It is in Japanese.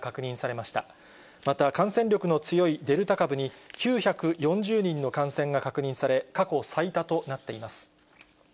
また感染力の強いデルタ株に９４０人の感染が確認され、過去最多となっています。